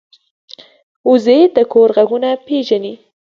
وزې د کور غږونه پېژني